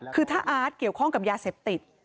คือถ้าอาร์ตเกี่ยวข้องกับยาเสพติด